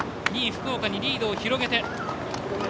２位福岡にリードを広げて。